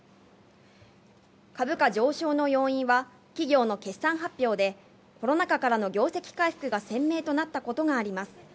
株価上昇の要因は企業の決算発表でコロナ禍からの業績回復が鮮明となったことがあります。